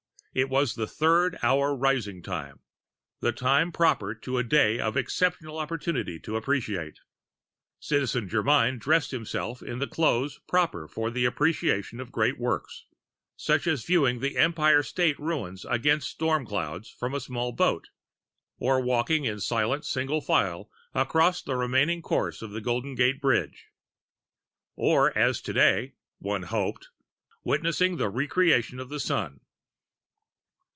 It was the third hour rising time, the time proper to a day of exceptional opportunity to appreciate. Citizen Germyn dressed himself in the clothes proper for the appreciation of great works such as viewing the Empire State ruins against storm clouds from a small boat, or walking in silent single file across the remaining course of the Golden Gate Bridge. Or as today one hoped witnessing the Re creation of the Sun.